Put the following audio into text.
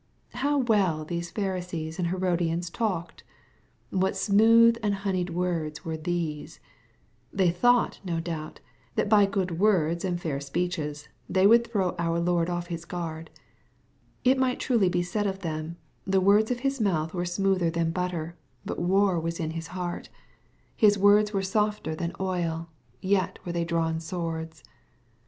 How well these Pharisees and He rodians talked I What smooth and honeyed words were these ! They thought, no doubt, that by good words and fair speeches they would throw our Lord off His gua^d. It might truly be said of them, " the words of his mouth were smoother than butter, but war was in his heart : bis MATTHEVir, CHAP. XXII. 285 words were softer than oil, yet were they drawn swords."